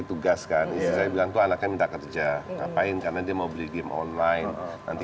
tugas kan istri saya bilang tuh anaknya minta kerja ngapain karena dia mau beli game online nanti